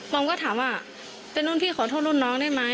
อมก็ถามว่าเป็นรุ่นพี่ขอโทษรุ่นน้องได้ไหม